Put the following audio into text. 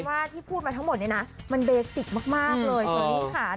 แต่ว่าที่พูดมาทั้งหมดนี้นะมันเบสิคมากเลยใช่ไหมค่ะ